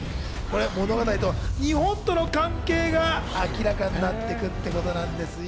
物語と日本との関係が明らかになっていくっていうことなんですよ。